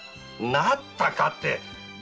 “なったか”って。